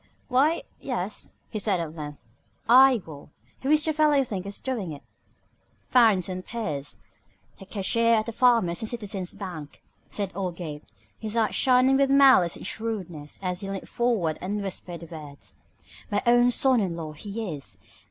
"Why, yes," he said at length, "I will. Who is the feller you think is doin' it?" "Farrin'ton Pierce, the cashier of the Farmers' and Citizens' Bank," said old Gabe, his eyes shining with malice and shrewdness, as he leaned forward and whispered the words. "My own son in law, he is.